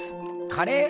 カレー？